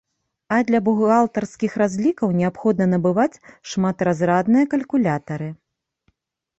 А для бухгалтарскіх разлікаў неабходна набываць шматразрадныя калькулятары.